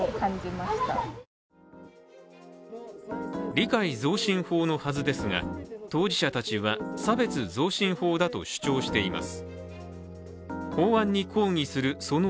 理解増進法のはずですが当事者たちは差別増進法だと主張しています。